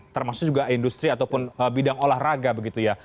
termasuk juga industri ataupun bidang olahraga begitu ya